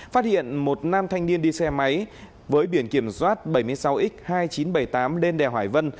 phát hiện một nam thanh niên đi xe máy với biển kiểm soát bảy mươi sáu x hai nghìn chín trăm bảy mươi tám lên đèo hải vân